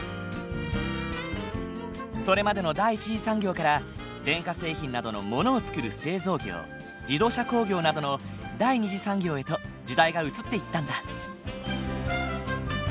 それまでの第一次産業から電化製品などのものを作る製造業自動車工業などの第二次産業へと時代が移っていったんだ。